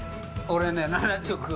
俺ね、７９。